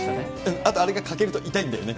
あとあれがかけると、痛いんだよね。